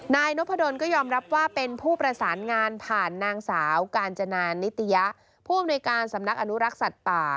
นายนพดลก็ยอมรับว่าเป็นผู้ประสานงานผ่านนางสาวกาญจนานิตยะผู้อำนวยการสำนักอนุรักษ์สัตว์ป่า